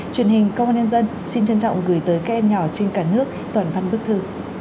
truyền hình công an nhân dân xin trân trọng gửi tới các em nhỏ trên cả nước toàn văn bức thư